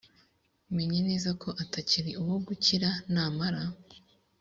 menye neza ko atakiri uwo gukira namara